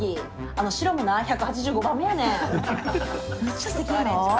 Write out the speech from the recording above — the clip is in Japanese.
あの白のな、１８５番目やねん。